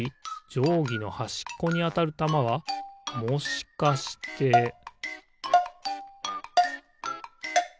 じょうぎのはしっこにあたるたまはもしかしてピッ！